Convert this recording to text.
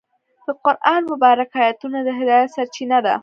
د قرآن مبارکه آیتونه د هدایت سرچینه دي.